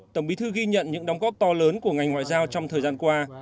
tổng bí thư ghi nhận những đóng góp to lớn của ngành ngoại giao trong thời gian qua